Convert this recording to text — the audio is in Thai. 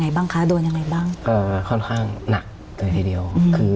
บ้างคะโดนยังไงบ้างเอ่อค่อนข้างหนักเลยทีเดียวคือ